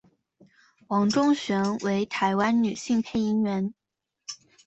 王中璇为台湾女性配音员。